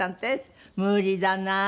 無理だなあ。